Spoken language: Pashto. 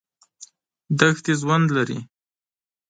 دښتې ژوند لري.